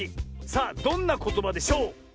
さあどんなことばでしょう？